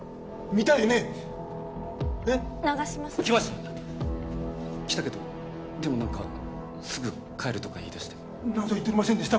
長嶋さん来ました来たけどでも何かすぐ帰るとか言いだして何ぞ言っとりませんでした？